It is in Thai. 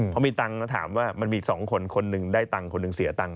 พอมีตังค์แล้วถามว่ามันมีอีก๒คนคนหนึ่งได้ตังค์คนหนึ่งเสียตังค์